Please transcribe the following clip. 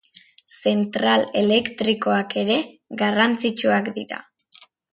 Zentral elektrikoak ere garrantzitsuak dira.